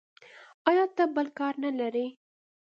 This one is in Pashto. ایا ته بل کار نه لرې.